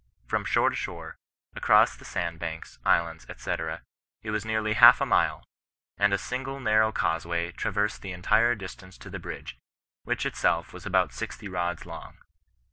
From shore to shore, across 144 CHBISTIAN NON RESISTANCE. ihe sand bankB, islands, &c^ it was nearly half a mile, and a single narrow causeway traversed the entire dis tance to the bridge, which itself was about sixty rods long.